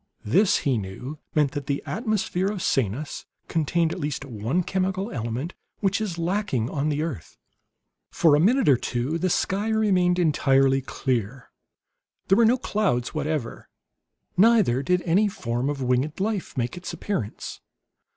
This, he knew, meant that the atmosphere of Sanus contained at least one chemical element which is lacking on the earth. For a minute or two the sky remained entirely clear. There were no clouds whatever; neither did any form of winged life make its appearance.